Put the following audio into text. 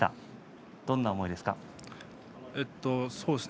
どんな思いですか？